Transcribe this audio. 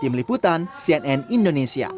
tim liputan cnn indonesia